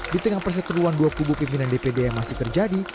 di tengah perseteruan dua kubu pimpinan dpd yang masih terjadi